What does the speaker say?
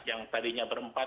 yang tadinya berempat